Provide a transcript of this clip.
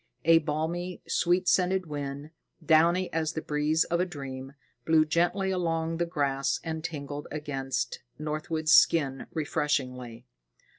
A balmy, sweet scented wind, downy as the breeze of a dream, blew gently along the grass and tingled against Northwood's skin refreshingly.